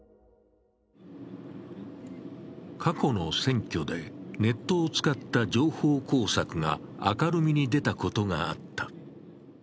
過去の選挙でネットを使った情報工作が明るみに出たことがあった。